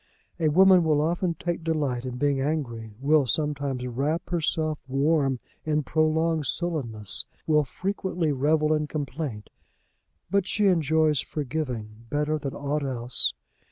A woman will often take delight in being angry; will sometimes wrap herself warm in prolonged sullenness; will frequently revel in complaint; but she enjoys forgiving better than aught else.